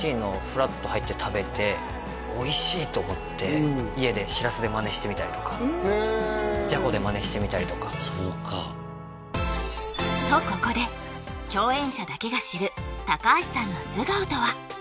ふらっと入って食べておいしいと思って家でシラスでマネしてみたりとかへえじゃこでマネしてみたりとかとここで共演者だけが知る高橋さんの素顔とは？